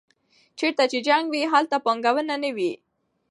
چېرته چې جنګ وي هلته پانګونه نه وي.